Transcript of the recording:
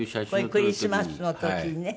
こういうクリスマスの時にね。